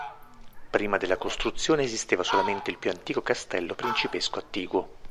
Prima della costruzione esisteva solamente il più antico castello principesco attiguo.